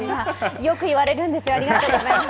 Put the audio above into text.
よく言われるんですよ、ありがとうございます。